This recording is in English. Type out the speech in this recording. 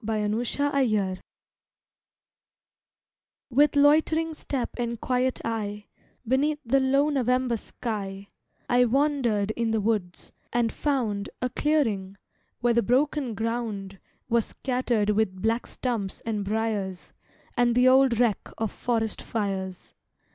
IN NOVEMBER With loitering step and quiet eye, Beneath the low November sky, I wandered in the woods, and found A clearing, where the broken ground Was scattered with black stumps and briers, And the old wreck of forest fires.